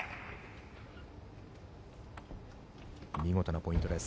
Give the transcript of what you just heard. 見事なポイントです。